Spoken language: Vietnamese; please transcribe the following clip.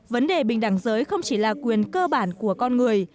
vấn đề bình đẳng giới không chỉ là quyền cơ bản của con người